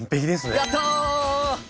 やった！